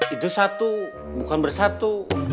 itu satu bukan bersatu